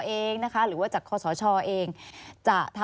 อันดับ๖๓๕จัดใช้วิจิตร